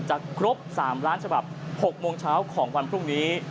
ครบ๓ล้านฉบับ๖โมงเช้าของวันพรุ่งนี้